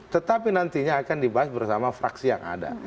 tetapi nantinya akan dibahas bersama fraksi yang ada